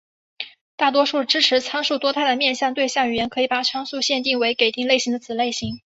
大多数支持参数多态的面向对象语言可以把参数限定为给定类型的子类型。